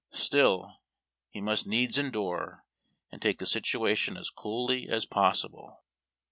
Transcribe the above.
Still, he must needs endure, and take the situation as coolly as possible.